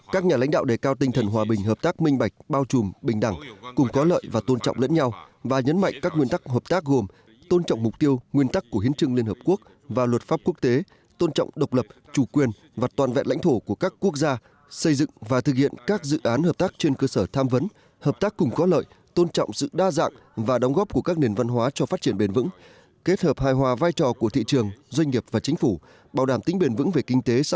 các nhà lãnh đạo đề cao tinh thần hòa bình hợp tác minh bạch bao trùm bình đẳng cùng có lợi và tôn trọng lẫn nhau và nhấn mạnh các nguyên tắc hợp tác gồm tôn trọng mục tiêu nguyên tắc của hiến trưng liên hợp quốc và luật pháp quốc tế tôn trọng độc lập chủ quyền và toàn vẹn lãnh thổ của các quốc gia xây dựng và thực hiện các dự án hợp tác trên cơ sở tham vấn hợp tác cùng có lợi tôn trọng sự đa dạng và đóng góp của các nền văn hóa cho phát triển bền vững k